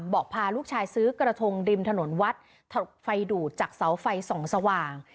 พาลูกชายซื้อกระทงริมถนนวัดไฟดูดจากเสาไฟส่องสว่าง